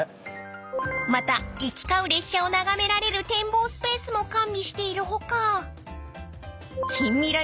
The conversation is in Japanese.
［また行き交う列車を眺められる展望スペースも完備している他近未来